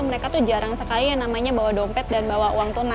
mereka tuh jarang sekali yang namanya bawa dompet dan bawa uang tunai